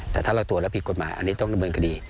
แต่ถ้าเราตรวจแล้วผิดกฎหมายอันนี้ต้องดำเนินคดี